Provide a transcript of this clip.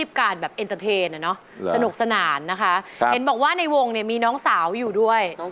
พวกเธออ่ะดีแล้ว